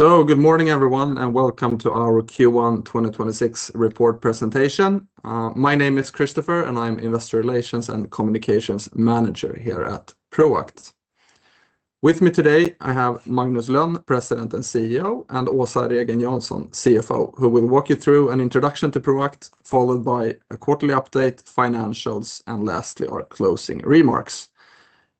Good morning, everyone, and welcome to our Q1 2026 Report Presentation. My name is Christopher, and I'm Investor Relations and Communications Manager here at Proact. With me today, I have Magnus Lönn, President and Chief Exeutive Officer, and Åsa Regen Jansson, Chief Financial Officer, who will walk you through an introduction to Proact, followed by a quarterly update, financials, and lastly, our closing remarks.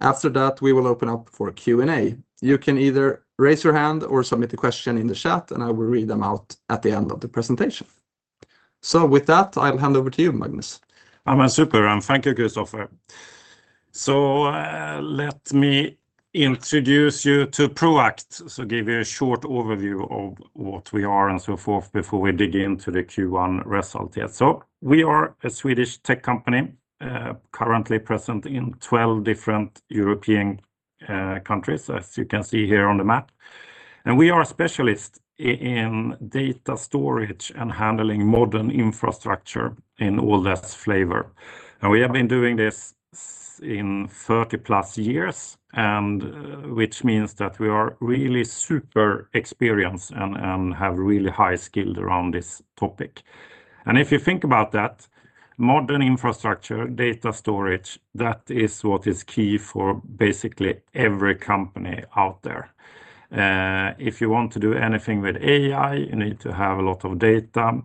After that, we will open up for Q&A. You can either raise your hand or submit the question in the chat, and I will read them out at the end of the presentation. With that, I'll hand over to you, Magnus. Thank you, Christopher. Let me introduce you to Proact, give you a short overview of what we are and so forth before we dig into the Q1 result here. We are a Swedish tech company, currently present in 12 different European countries, as you can see here on the map, and we are a specialist in data storage and handling modern infrastructure in all that flavor. We have been doing this in 30+ years, which means that we are really super experienced and have really high skilled around this topic. If you think about that, modern infrastructure, data storage, that is what is key for basically every company out there. If you want to do anything with AI, you need to have a lot of data,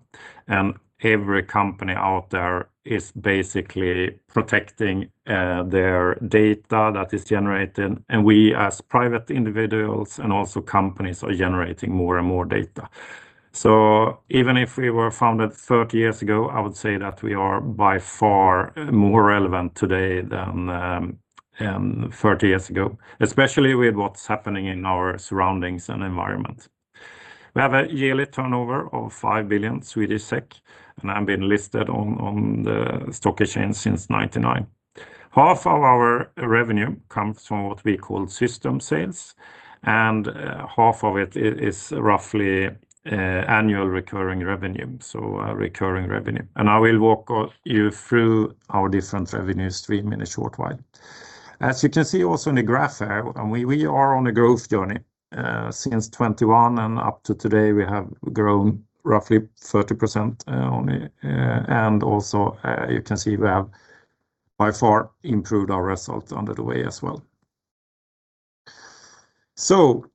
every company out there is basically protecting their data that is generated. We, as private individuals and also companies, are generating more and more data. Even if we were founded 30 years ago, I would say that we are by far more relevant today than 30 years ago, especially with what's happening in our surroundings and environment. We have a yearly turnover of 5 billion Swedish SEK, and have been listed on the stock exchange since 1999. Half of our revenue comes from what we call system sales, and half of it is roughly annual recurring revenue, so recurring revenue. I will walk you through our different revenue stream in a short while. As you can see also in the graph here, we are on a growth journey. Since 2021 and up to today, we have grown roughly 30% only. Also, you can see we have by far improved our results under the way as well.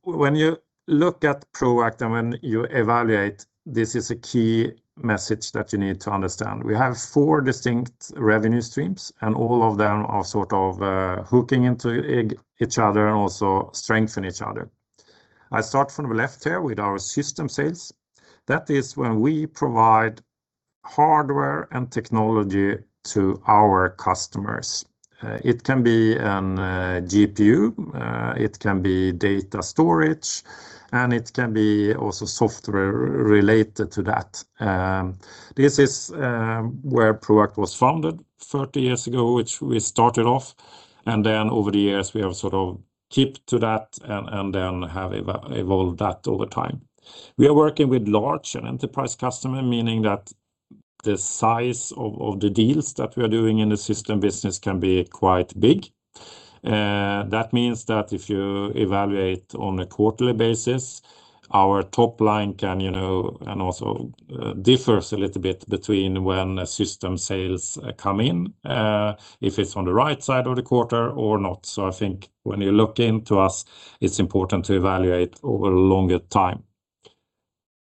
When you look at Proact and when you evaluate, this is a key message that you need to understand. We have four distinct revenue streams, and all of them are sort of hooking into each other and also strengthen each other. I start from the left here with our system sales. That is when we provide hardware and technology to our customers. It can be a GPU, it can be data storage, and it can be also software related to that. This is where Proact was founded 30 years ago, which we started off, and then over the years, we have sort of kept to that and then have evolved that over time. We are working with large and enterprise customer, meaning that the size of the deals that we are doing in the system business can be quite big. That means that if you evaluate on a quarterly basis, our top line can, you know, and also differs a little bit between when system sales come in, if it's on the right side of the quarter or not. I think when you look into us, it's important to evaluate over a longer time.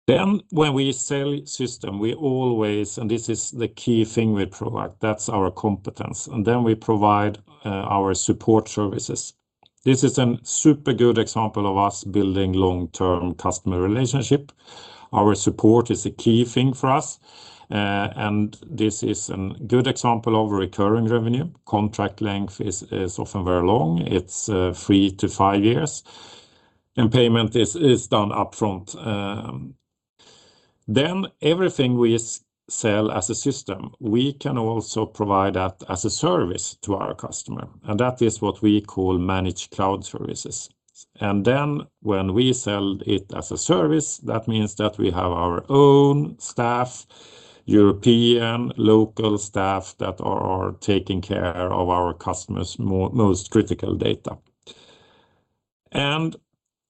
When we sell system, we always, and this is the key thing with Proact, that's our competence, and then we provide our support services. This is a super good example of us building long-term customer relationship. Our support is a key thing for us, and this is a good example of recurring revenue. Contract length is often very long. It's three to five years, and payment is done upfront. Everything we sell as a system, we can also provide that as a service to our customer, and that is what we call managed cloud services. When we sell it as a service, that means that we have our own staff, European local staff that are taking care of our customers' most critical data.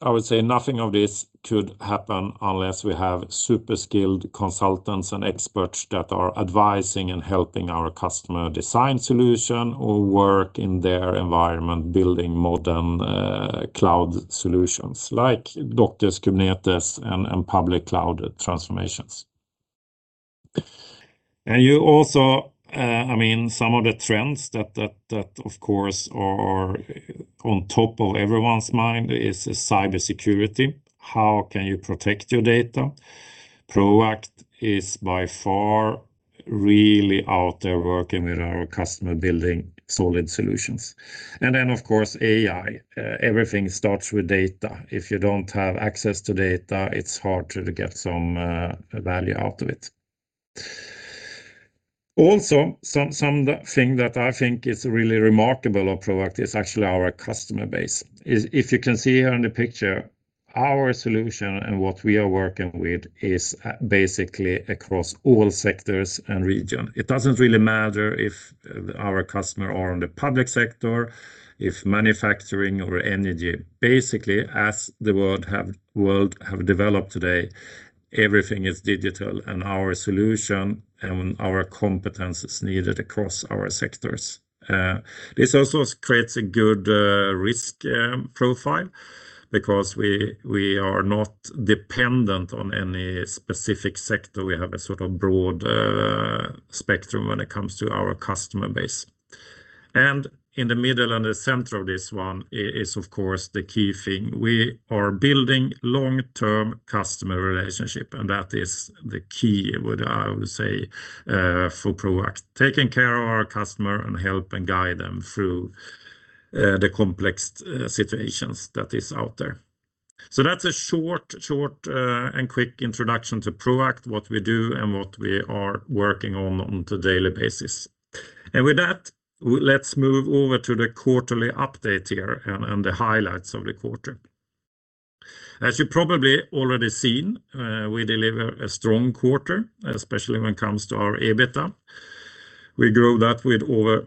I would say nothing of this could happen unless we have super skilled consultants and experts that are advising and helping our customer design solution or work in their environment building modern cloud solutions like Docker, Kubernetes, and public cloud transformations. You also, I mean, some of the trends that of course are on top of everyone's mind is cybersecurity. How can you protect your data? Proact is by far really out there working with our customer building solid solutions. Then, of course, AI. Everything starts with data. If you don't have access to data, it's hard to get some value out of it. Also, something that I think is really remarkable of Proact is actually our customer base. If you can see here in the picture. Our solution and what we are working with is basically across all sectors and region. It doesn't really matter if our customer are on the public sector, if manufacturing or energy. Basically, as the world have developed today, everything is digital. Our solution and our competence is needed across our sectors. This also creates a good risk profile because we are not dependent on any specific sector. We have a sort of broad spectrum when it comes to our customer base. In the middle and the center of this one is, of course, the key thing. We are building long-term customer relationship, and that is the key, what I would say, for Proact, taking care of our customer and help and guide them through the complex situations that is out there. That's a short and quick introduction to Proact, what we do, and what we are working on on the daily basis. With that, let's move over to the quarterly update here and the highlights of the quarter. As you probably already seen, we deliver a strong quarter, especially when it comes to our EBITDA. We grow that with over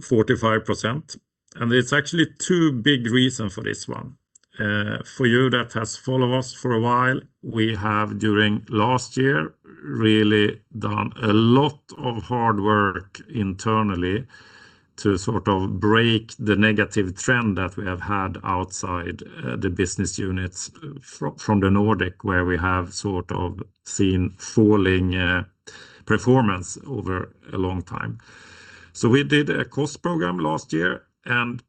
45%, and it's actually two big reason for this one. For you that has followed us for a while, we have during last year really done a lot of hard work internally to sort of break the negative trend that we have had outside the business units from the Nordic, where we have sort of seen falling performance over a long time. We did a cost program last year, and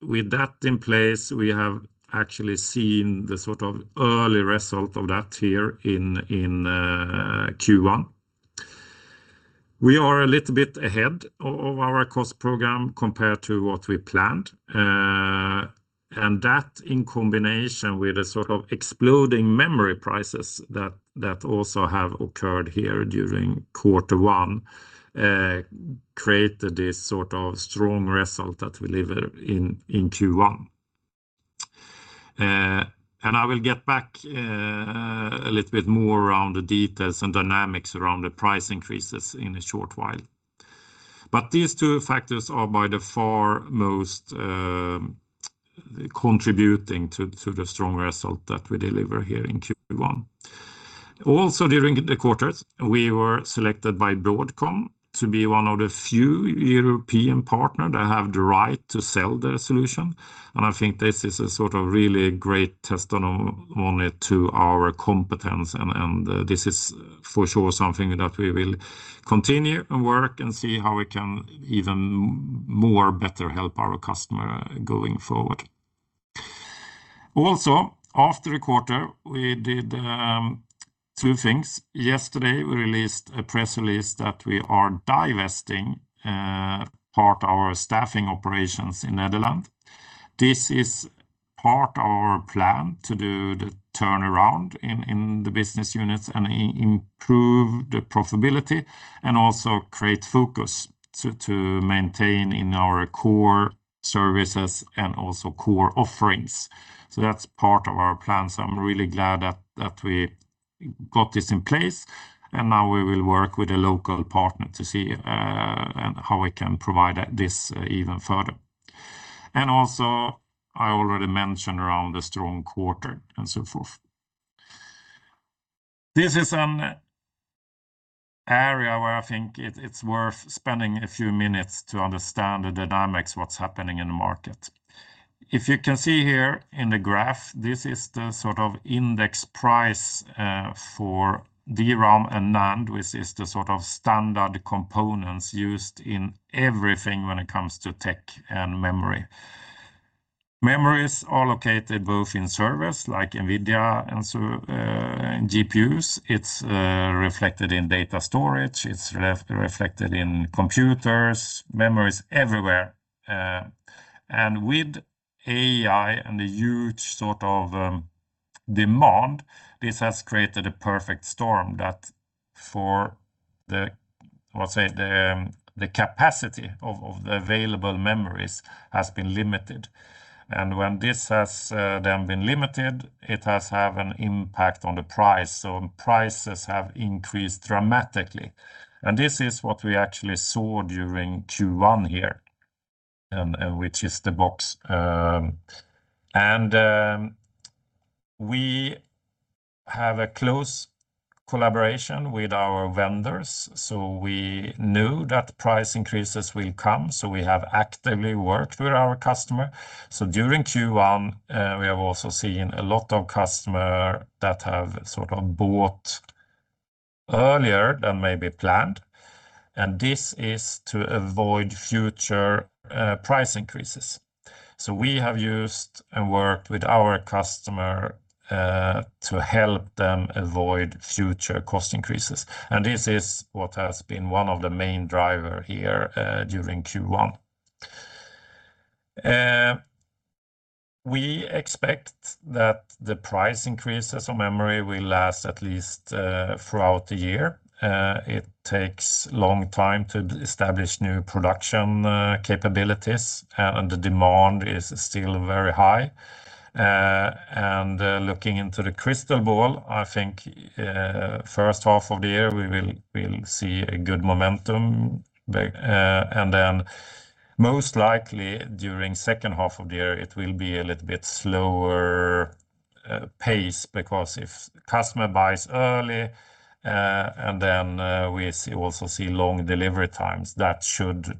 with that in place, we have actually seen the sort of early result of that here in Q1. We are a little bit ahead of our cost program compared to what we planned. That in combination with the sort of exploding memory prices that also have occurred here during quarter 1, created this sort of strong result that we deliver in Q1. I will get back a little bit more around the details and dynamics around the price increases in a short while. These two factors are by the far most contributing to the strong result that we deliver here in Q1. During the quarters, we were selected by Broadcom to be one of the few European partner that have the right to sell their solution. I think this is a sort of really great testimony to our competence, and this is for sure something that we will continue and work and see how we can even more better help our customer going forward. After a quarter, we did two things. Yesterday, we released a press release that we are divesting part our staffing operations in Netherlands. This is part our plan to do the turnaround in the business units and improve the profitability and also create focus to maintain in our core services and also core offerings. That's part of our plan, I'm really glad that we got this in place, and now we will work with a local partner to see and how we can provide this even further. Also, I already mentioned around the strong quarter and so forth. This is an area where I think it's worth spending a few minutes to understand the dynamics what's happening in the market. If you can see here in the graph, this is the sort of index price for DRAM and NAND, which is the sort of standard components used in everything when it comes to tech and memory. Memory is allocated both in servers like NVIDIA and so, and GPUs. It's reflected in data storage. It's reflected in computers, memories everywhere. With AI and the huge sort of demand, this has created a perfect storm that for the, let's say, the capacity of the available memories has been limited. When this has then been limited, it has have an impact on the price. Prices have increased dramatically. This is what we actually saw during Q1 here, which is the box, we have a close collaboration with our vendors. We knew that price increases will come, so we have actively worked with our customer. During Q1, we have also seen a lot of customer that have sort of bought earlier than maybe planned, and this is to avoid future price increases. We have used and worked with our customer to help them avoid future cost increases, and this is what has been one of the main driver here during Q1. We expect that the price increases on memory will last at least throughout the year. It takes long time to establish new production capabilities, and the demand is still very high. And looking into the crystal ball, I think, first half of the year, we'll see a good momentum. And then most likely during second half of the year, it will be a little bit slower pace because if customer buys early, and then we also see long delivery times, that should,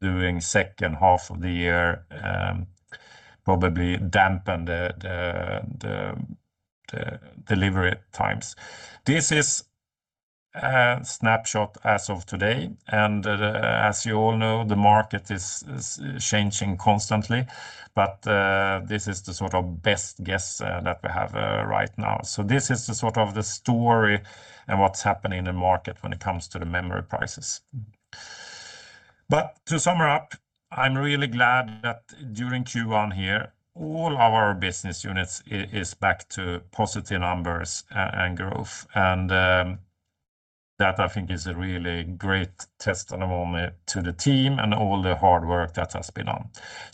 during second half of the year, probably dampen the delivery times. This is a snapshot as of today, and as you all know, the market is changing constantly. This is the sort of best guess that we have right now. This is the sort of the story and what's happening in the market when it comes to the memory prices. To sum her up, I'm really glad that during Q1 here, all our business units is back to positive numbers and growth. That I think is a really great testament to the team and all the hard work that has been on.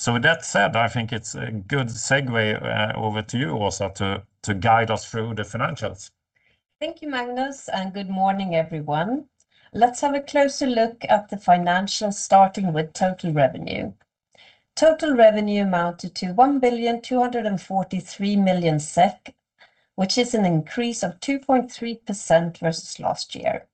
With that said, I think it's a good segue over to you, Åsa, to guide us through the financials. Thank you, Magnus, and good morning, everyone. Let's have a closer look at the financials, starting with total revenue. Total revenue amounted to 1,243,000,000 SEK which is an increase of 2.3% versus last year.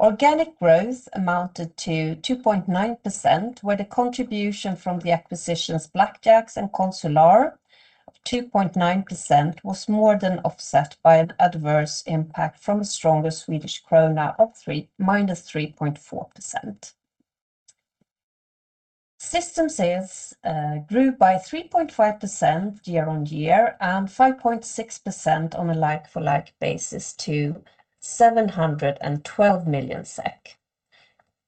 Organic growth amounted to 2.9%, where the contribution from the acquisitions BlakYaks and Consular of 2.9% was more than offset by an adverse impact from a stronger Swedish krona of -3.4%. System sales grew by 3.5% year on year and 5.6% on a like-for-like basis to 712 million SEK.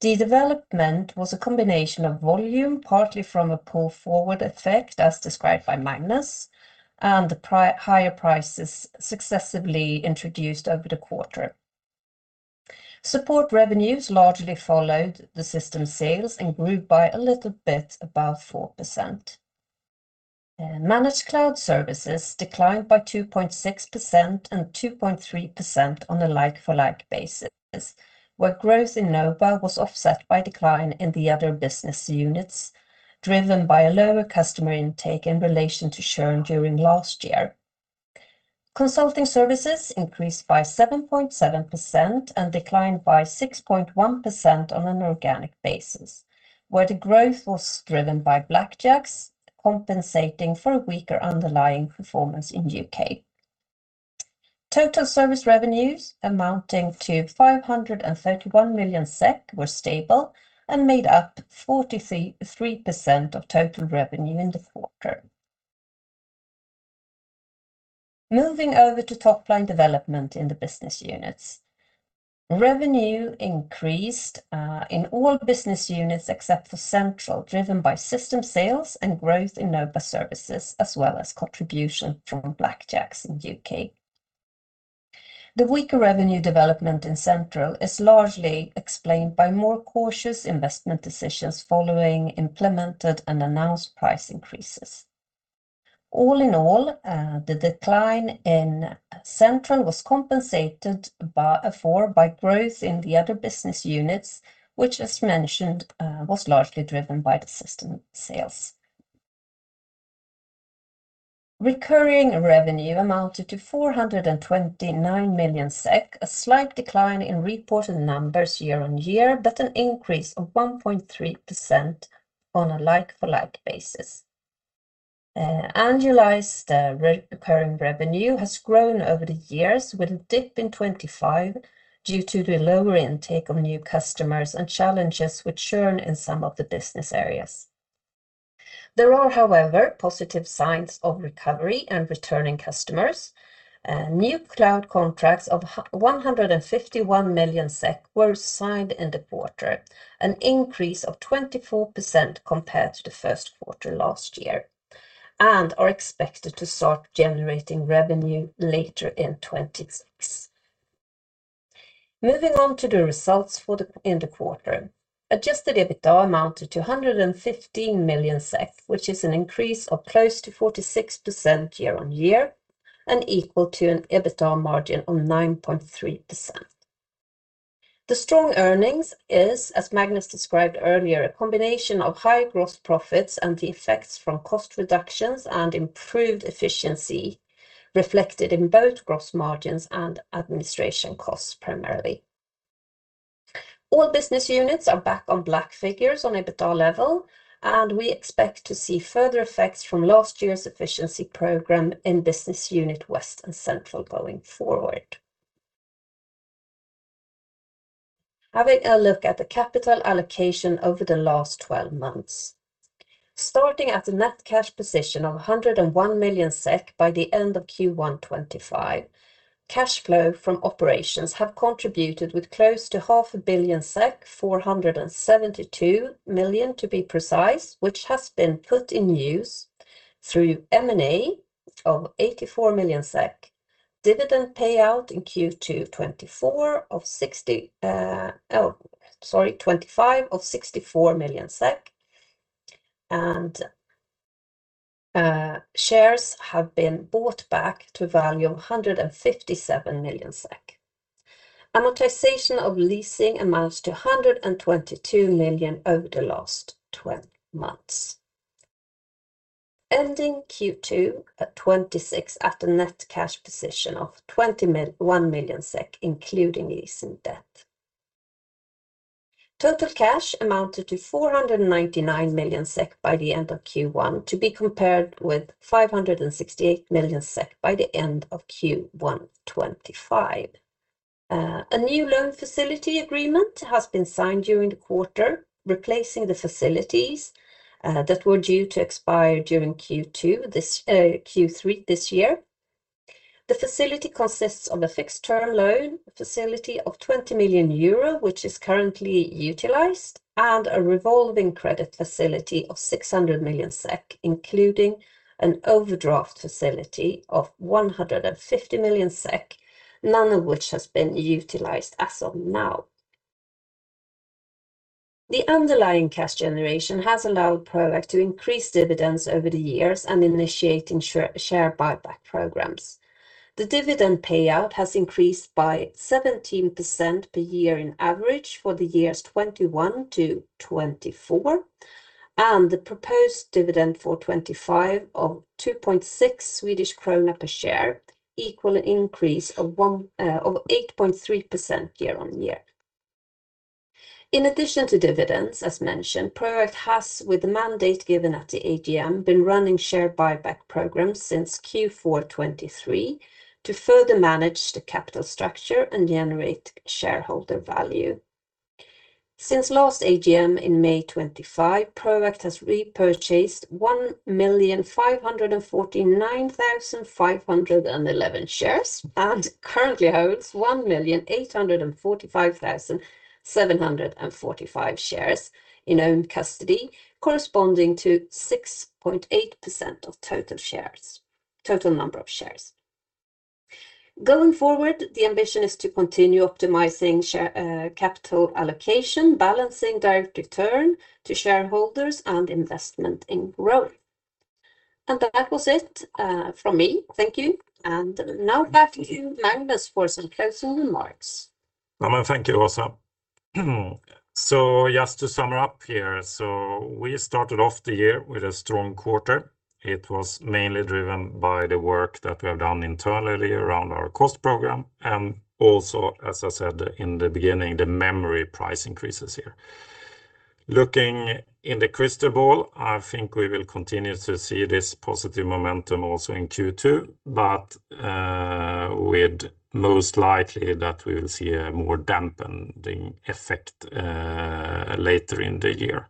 The development was a combination of volume, partly from a pull-forward effect, as described by Magnus, and higher prices successively introduced over the quarter. Support revenues largely followed the system sales and grew by a little bit, about 4%. Managed cloud services declined by 2.6% and 2.3% on a like-for-like basis, where growth in NOBA was offset by decline in the other business units, driven by a lower customer intake in relation to churn during last year. Consulting services increased by 7.7% and declined by 6.1% on an organic basis, where the growth was driven by BlakYaks compensating for a weaker underlying performance in U.K. Total service revenues amounting to 531 million SEK were stable and made up 43% of total revenue in the quarter. Moving over to top-line development in the business units. Revenue increased in all business units except for Central, driven by system sales and growth in NOBA Services, as well as contribution from BlakYaks in U.K. The weaker revenue development in Central is largely explained by more cautious investment decisions following implemented and announced price increases. All in all, the decline in Central was compensated for by growth in the other business units, which, as mentioned, was largely driven by the system sales. Recurring revenue amounted to 429 million SEK, a slight decline in reported numbers year-on-year, but an increase of 1.3% on a like-for-like basis. Annualized recurring revenue has grown over the years with a dip in 2025 due to the lower intake of new customers and challenges with churn in some of the business areas. There are, however, positive signs of recovery and returning customers. New cloud contracts of 151 million SEK were signed in the quarter, an increase of 24% compared to the first quarter last year, and are expected to start generating revenue later in 2026. Moving on to the results for the in the quarter. Adjusted EBITDA amounted to 115 million SEK, which is an increase of close to 46% year-on-year and equal to an EBITDA margin of 9.3%. The strong earnings is, as Magnus described earlier, a combination of high gross profits and the effects from cost reductions and improved efficiency reflected in both gross margins and administration costs primarily. All business units are back on black figures on EBITDA level, and we expect to see further effects from last year's efficiency program in business unit West and Central going forward. Having a look at the capital allocation over the last 12 months. Starting at a net cash position of 101 million SEK by the end of Q1 2025. Cash flow from operations have contributed with close to 500 million SEK, 472 million to be precise, which has been put in use through M&A of 84 million SEK, dividend payout in Q2 2025 of 64 million SEK. Shares have been bought back to a value of 157 million SEK. Amortization of leasing amounts to 122 million over the last 12 months. Ending Q2 2026 at a net cash position of 1 million SEK, including recent debt. Total cash amounted to 499 million SEK by the end of Q1, to be compared with 568 million SEK by the end of Q1 2025. A new loan facility agreement has been signed during the quarter, replacing the facilities that were due to expire during Q2 this Q3 this year. The facility consists of a fixed-term loan facility of 20 million euro, which is currently utilized, and a revolving credit facility of 600 million SEK, including an overdraft facility of 150 million SEK, none of which has been utilized as of now. The underlying cash generation has allowed Proact to increase dividends over the years and initiating share buyback programs. The dividend payout has increased by 17% per year in average for the years 2021-2024, and the proposed dividend for 2025 of 2.6 Swedish krona per share equal an increase of 8.3% year-on-year. In addition to dividends, as mentioned, Proact has, with the mandate given at the AGM, been running share buyback programs since Q4 2023 to further manage the capital structure and generate shareholder value. Since last AGM in May 25, Proact has repurchased 1,549,511 shares and currently holds 1,845,745 shares in own custody, corresponding to 6.8% of total shares, total number of shares. Going forward, the ambition is to continue optimizing capital allocation, balancing direct return to shareholders and investment in growth. That was it from me. Thank you. Now back to Magnus for some closing remarks. No, thank you, Åsa. Just to sum up here, we started off the year with a strong quarter. It was mainly driven by the work that we have done internally around our cost program and also, as I said in the beginning, the memory price increases here. Looking in the crystal ball, I think we will continue to see this positive momentum also in Q2, but with most likely that we will see a more dampening effect later in the year.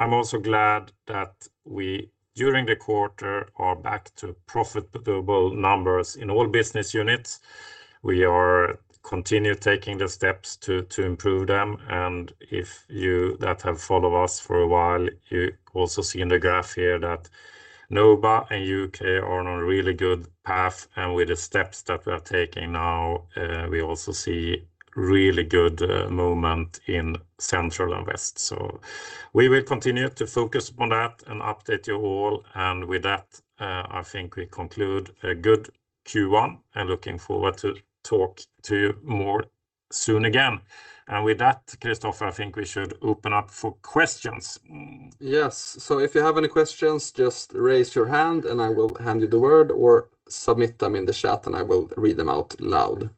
I'm also glad that we, during the quarter, are back to profitable numbers in all business units. We are continue taking the steps to improve them, and if you that have followed us for a while, you also see in the graph here that NOBA and U.K. are on a really good path. With the steps that we are taking now, we also see really good movement in Central and West. We will continue to focus on that and update you all. With that, I think we conclude a good Q1, and looking forward to talk to you more soon again. With that, Christopher, I think we should open up for questions. Yes. If you have any questions, just raise your hand, and I will hand you the word, or submit them in the chat, and I will read them out loud.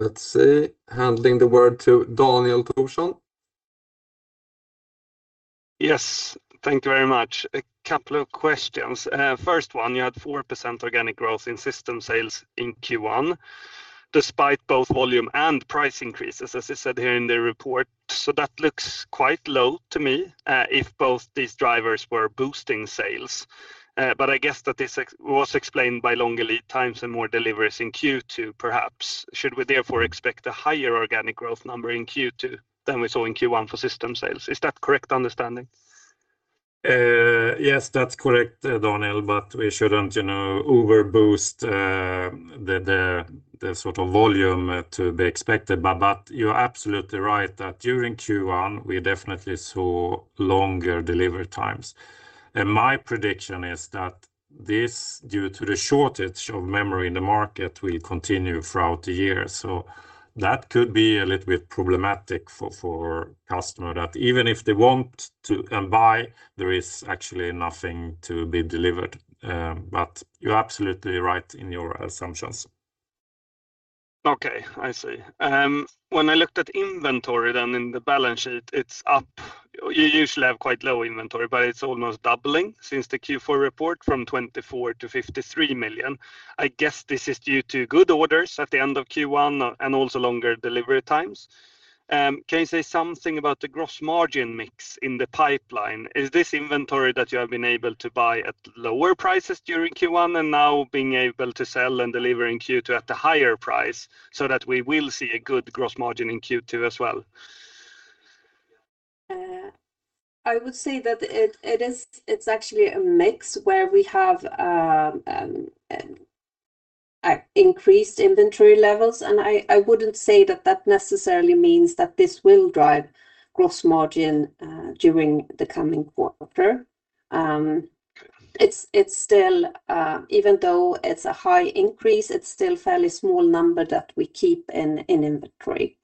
Let's see, handing the word to Daniel Thorsson. Yes. Thank you very much. A couple of questions. First one, you had 4% organic growth in system sales in Q1 despite both volume and price increases, as it said here in the report, that looks quite low to me, if both these drivers were boosting sales. I guess that this was explained by longer lead times and more deliveries in Q2, perhaps. Should we therefore expect a higher organic growth number in Q2 than we saw in Q1 for system sales? Is that correct understanding? Yes, that's correct, Daniel, but we shouldn't, you know, overboost the sort of volume to be expected. You're absolutely right that during Q one, we definitely saw longer delivery times. My prediction is that this, due to the shortage of memory in the market, will continue throughout the year. That could be a little bit problematic for customer, that even if they want to buy, there is actually nothing to be delivered. You're absolutely right in your assumptions. Okay, I see. When I looked at inventory then in the balance sheet, it's up. You usually have quite low inventory, but it's almost doubling since the Q4 report from 24 million-53 million. I guess this is due to good orders at the end of Q1 and also longer delivery times. Can you say something about the gross margin mix in the pipeline? Is this inventory that you have been able to buy at lower prices during Q1 and now being able to sell and deliver in Q2 at a higher price so that we will see a good gross margin in Q2 as well? I would say that it's actually a mix where we have a increased inventory levels, and I wouldn't say that necessarily means that this will drive gross margin during the coming quarter. It's still, even though it's a high increase, it's still fairly small number that we keep in inventory.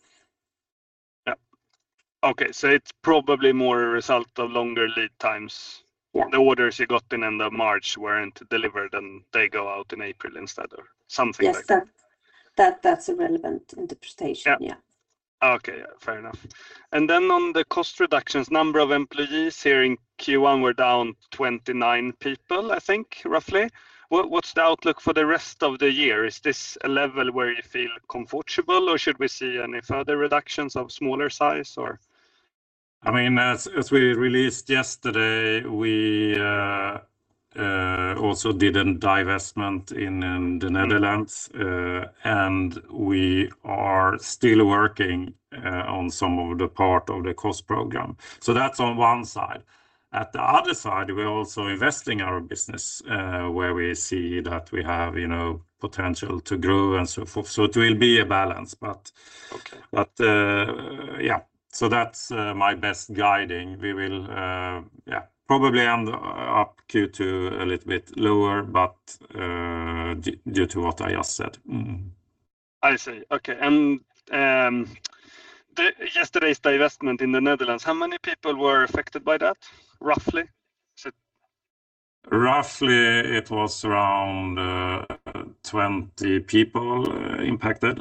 Yeah. Okay. It's probably more a result of longer lead times. Yeah. The orders you got in the March weren't delivered, and they go out in April instead or something like that. Yes. That's a relevant interpretation. Yeah. Yeah. Okay. Yeah, fair enough. On the cost reductions, number of employees here in Q1 were down 29 people, I think, roughly. What's the outlook for the rest of the year? Is this a level where you feel comfortable, or should we see any further reductions of smaller size or? I mean, as we released yesterday, we also did a divestment in the Netherlands, and we are still working on some of the part of the cost program. That's on one side. At the other side, we're also investing our business where we see that we have, you know, potential to grow and so forth. It will be a balance. Okay. That's my best guiding. We will probably end up Q2 a little bit lower due to what I just said. I see. Okay. The yesterday's divestment in the Netherlands, how many people were affected by that, roughly? Roughly it was around 20 people impacted.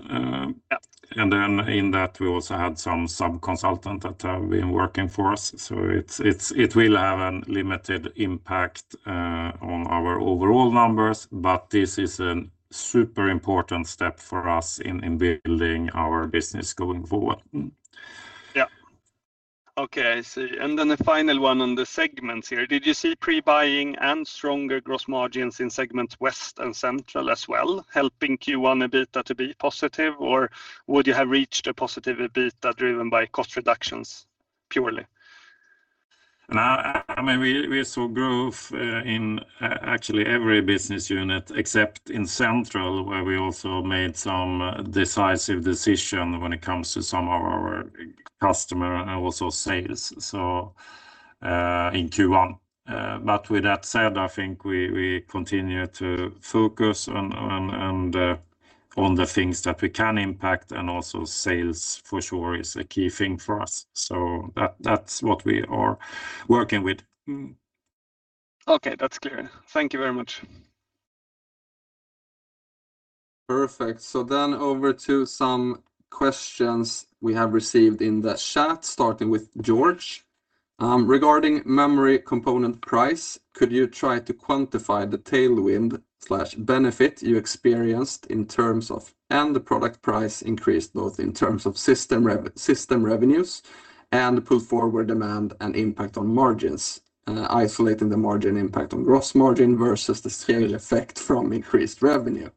Yeah. In that we also had some sub-consultant that have been working for us, so it will have a limited impact on our overall numbers. This is a super important step for us in building our business going forward. Yeah. Okay, I see. The final one on the segments here. Did you see pre-buying and stronger gross margins in segment West and Central as well, helping Q1 EBITDA to be positive, or would you have reached a positive EBITDA driven by cost reductions purely? I mean, we saw growth, actually every business unit except in Central, where we also made some decisive decision when it comes to some of our customer and also sales in Q1. With that said, I think we continue to focus on the things that we can impact and also sales for sure is a key thing for us. That's what we are working with. Okay. That's clear. Thank you very much. Perfect. Over to some questions we have received in the chat, starting with George. Regarding memory component price, could you try to quantify the tailwind/benefit you experienced in terms of, and the product price increased both in terms of system revenues and pull forward demand and impact on margins, isolating the margin impact on gross margin versus the scale effect from increased revenue?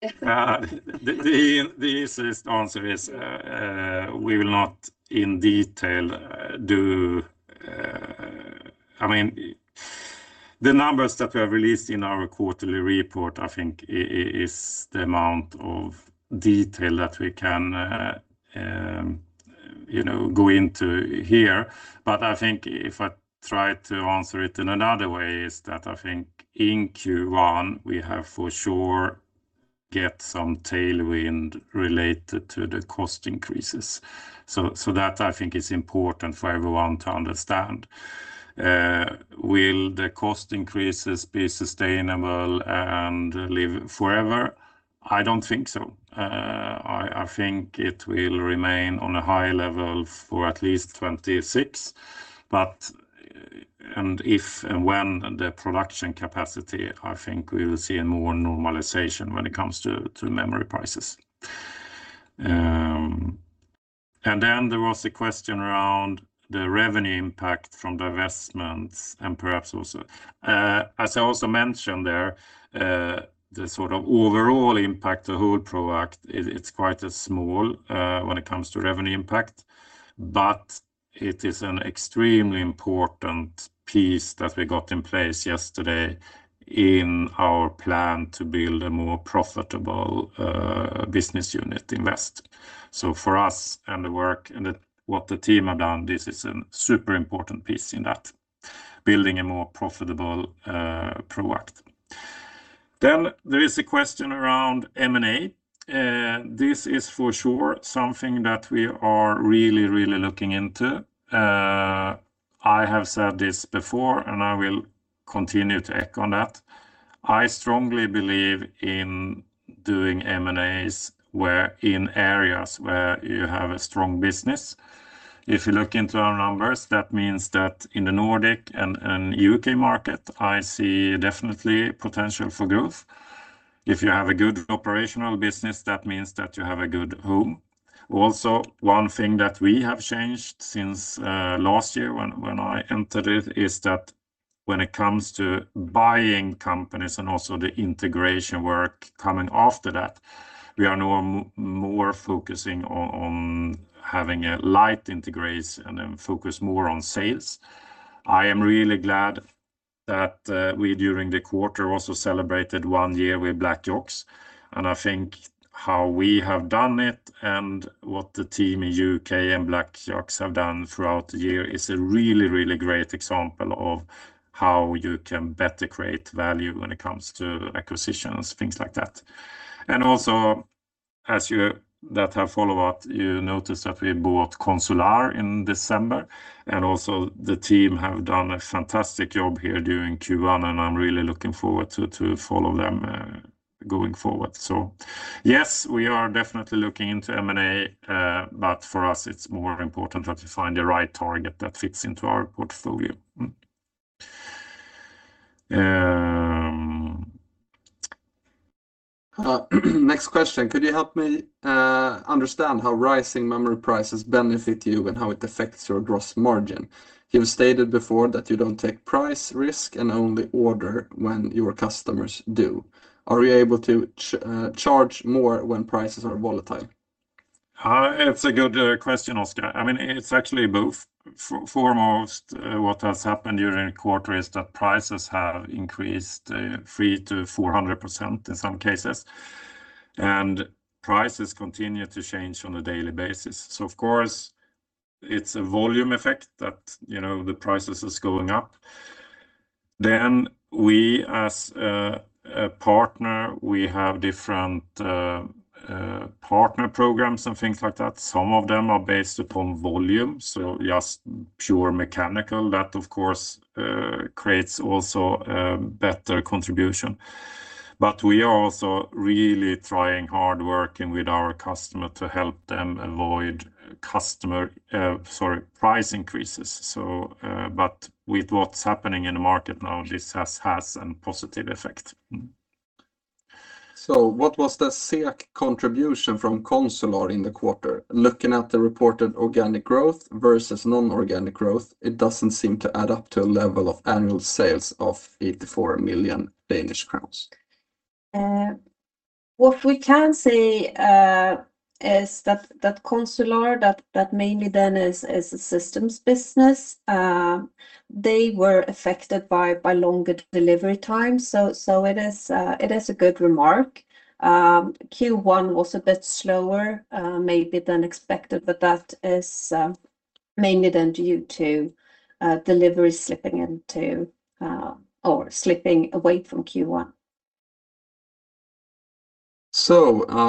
The easiest answer is, we will not in detail, I mean, the numbers that we have released in our quarterly report, I think is the amount of detail that we can, you know, go into here. I think if I try to answer it in another way, is that I think in Q1 we have for sure get some tailwind related to the cost increases. That I think is important for everyone to understand. Will the cost increases be sustainable and live forever? I don't think so. I think it will remain on a high level for at least 2026, but, and if and when the production capacity, I think we will see a more normalization when it comes to memory prices. Then there was a question around the revenue impact from divestments and perhaps also, as I also mentioned there, the sort of overall impact to whole Proact, it's quite a small when it comes to revenue impact, but it is an extremely important piece that we got in place yesterday in our plan to build a more profitable business unit invest. For us and the work and what the team have done, this is an super important piece in that, building a more profitable Proact. There is a question around M&A. This is for sure something that we are really looking into. I have said this before, and I will continue to echo on that. I strongly believe in doing M&As in areas where you have a strong business. If you look into our numbers, that means that in the Nordic and U.K. market, I see definitely potential for growth. If you have a good operational business, that means that you have a good home. One thing that we have changed since last year when I entered it, is that when it comes to buying companies and also the integration work coming after that, we are now more focusing on having a light integration and then focus more on sales. I am really glad that we, during the quarter, also celebrated one year with BlakYaks, and I think how we have done it and what the team in U.K. and BlakYaks have done throughout the year is a really great example of how you can better create value when it comes to acquisitions, things like that. Also, as you that have followed that, you noticed that we bought Consular in December, also the team have done a fantastic job here during Q1, and I'm really looking forward to follow them going forward. Yes, we are definitely looking into M&A, but for us it's more important that we find the right target that fits into our portfolio. Next question. Could you help me understand how rising memory prices benefit you and how it affects your gross margin? You've stated before that you don't take price risk and only order when your customers do. Are we able to charge more when prices are volatile? It's a good question, Oscar. I mean, it's actually both. Foremost, what has happened during the quarter is that prices have increased 300%-400% in some cases, and prices continue to change on a daily basis. Of course it's a volume effect that, you know, the prices is going up. We as a partner, we have different partner programs and things like that. Some of them are based upon volume, so just pure mechanical. That of course creates also better contribution. We are also really trying hard working with our customer to help them avoid price increases. With what's happening in the market now, this has an positive effect. What was the SEK contribution from Consular in the quarter? Looking at the reported organic growth versus non-organic growth, it doesn't seem to add up to a level of annual sales of 84 million Danish crowns. What we can say is that Consular that mainly then is a systems business. They were affected by longer delivery times. It is a good remark. Q1 was a bit slower maybe than expected. That is mainly then due to deliveries slipping into or slipping away from Q1.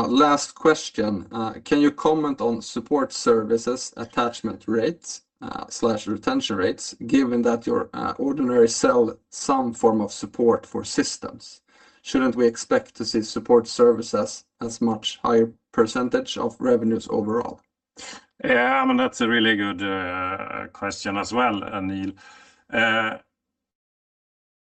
Last question. Can you comment on support services attachment rates/retention rates? Given that you ordinarily sell some form of support for systems, shouldn't we expect to see support services as much higher percentage of revenues overall? I mean, that's a really good question as well, Anil.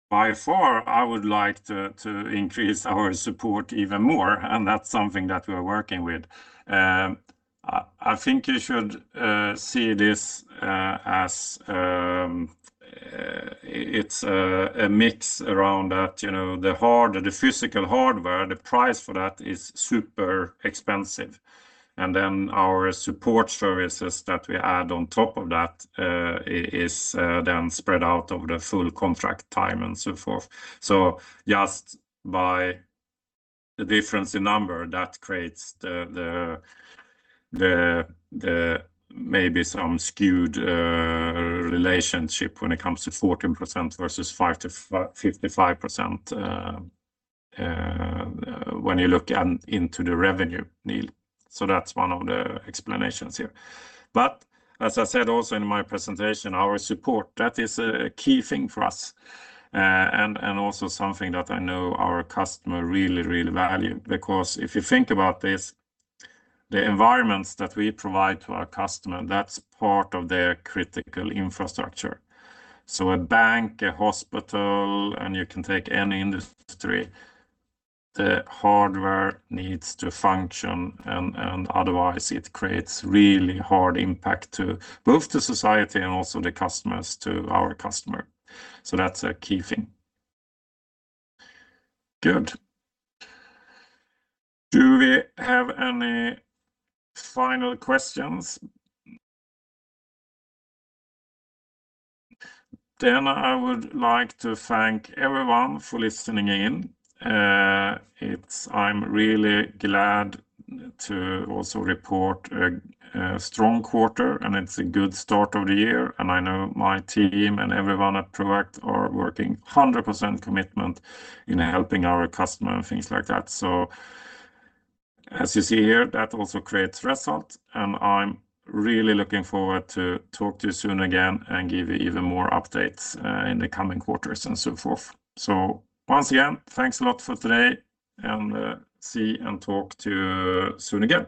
By far, I would like to increase our support even more, and that's something that we're working with. I think you should see this as it's a mix around that, you know, the physical hardware, the price for that is super expensive. Our support services that we add on top of that is then spread out over the full contract time and so forth. Just by the difference in number that creates the maybe some skewed relationship when it comes to 14% versus 5%-55%, when you look at, into the revenue, Anil. That's one of the explanations here. As I said also in my presentation, our support, that is a key thing for us. And also something that I know our customer really value because if you think about this, the environments that we provide to our customer, that's part of their critical infrastructure. A bank, a hospital, and you can take any industry, the hardware needs to function and otherwise it creates really hard impact to both the society and also the customers, to our customer. That's a key thing. Good. Do we have any final questions? I would like to thank everyone for listening in. It's I'm really glad to also report a strong quarter, and it's a good start of the year, and I know my team and everyone at Proact are working 100% commitment in helping our customer and things like that. As you see here, that also creates result, and I'm really looking forward to talk to you soon again and give you even more updates, in the coming quarters and so forth. Once again, thanks a lot for today and, see and talk to you soon again.